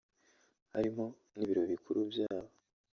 harimo n’ ibiro bikuru byabo